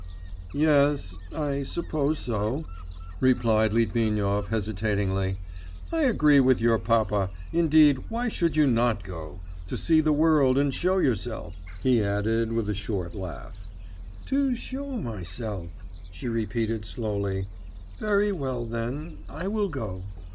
'Yes.... I suppose so,' replied Litvinov hesitatingly. 'I agree with your papa.... Indeed, why should you not go ... to see the world, and show yourself,' he added with a short laugh. 'To show myself,' she repeated slowly. 'Very well then, I will go....